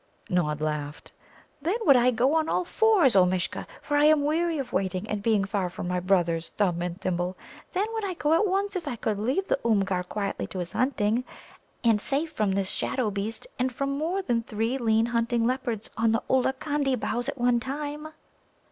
Nod laughed. "Then would I go on all fours, O Mishcha, for I am weary of waiting and being far from my brothers, Thumb and Thimble. Then would I go at once if I could leave the Oomgar quietly to his hunting, and safe from this Shadow beast and from more than three lean hunting leopards on the Ollaconda boughs at one time."